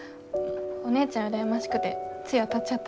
お姉ちゃん羨ましくてついあたっちゃった。